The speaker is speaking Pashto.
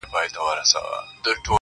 o چي درانه بارونه وړي، خورک ئې ځوز دئ!